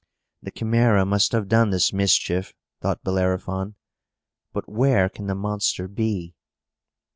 "The Chimæra must have done this mischief," thought Bellerophon. "But where can the monster be?"